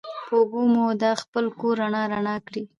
په اوبو مو دا خپل کور رڼا رڼا کړي